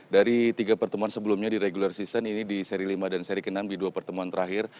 dari tiga pertemuan sebelumnya di regular season ini di seri lima dan seri ke enam di dua pertemuan terakhir